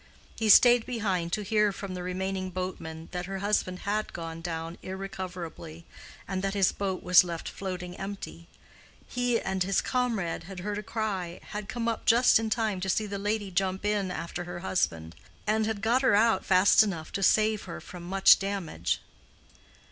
He stayed behind to hear from the remaining boatman that her husband had gone down irrecoverably, and that his boat was left floating empty. He and his comrade had heard a cry, had come up in time to see the lady jump in after her husband, and had got her out fast enough to save her from much damage.